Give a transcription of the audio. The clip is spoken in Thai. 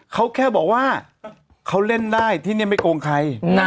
เขาแค่บอกว่าเขาเล่นได้ที่นี่ไม่โกงใคร